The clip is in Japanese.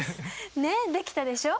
ねっできたでしょ！